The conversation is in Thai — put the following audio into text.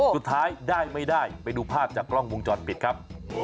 สุดท้ายได้ไม่ได้ไปดูภาพจากกล้องวงจรปิดครับ